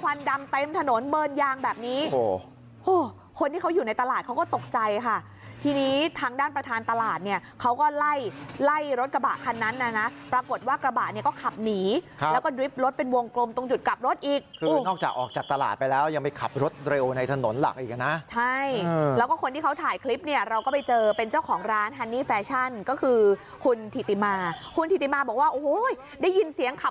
ควันดำเต็มถนนเบินยางแบบนี้คนที่เขาอยู่ในตลาดเขาก็ตกใจค่ะทีนี้ทางด้านประธานตลาดเนี่ยเขาก็ไล่รถกระบะคันนั้นนะนะปรากฏว่ากระบะก็ขับหนีแล้วก็ดริฟต์รถเป็นวงกลมตรงจุดกลับรถอีกคือนอกจากออกจากตลาดไปแล้วยังไม่ขับรถเร็วในถนนหลักอีกนะใช่แล้วก็คนที่เขาถ่ายคลิปเนี่ยเราก็ไปเจอเป็นเจ้าข